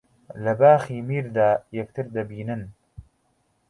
لە باخی میردا یەکتر دەبینن